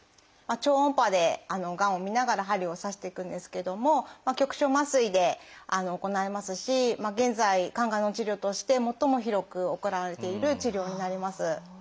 超音波でがんを見ながら針を刺していくんですけども局所麻酔で行いますし現在肝がんの治療として最も広く行われている治療になります。